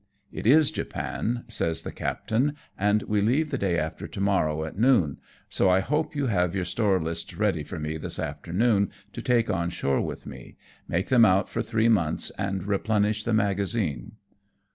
"It is Japan," says the captain, "and we leave the day after to morrow at noon, so I hope you have your store lists ready for me this afternoon to take on shore with me ; make them out for three months, and replenish the magazine."